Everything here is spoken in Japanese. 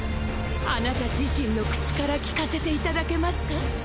あなた自身の口から聞かせて頂けますか。